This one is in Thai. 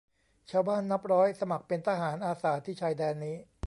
ชาวบ้านนับร้อยสมัครเป็นทหารอาสาที่ชายแดนนี้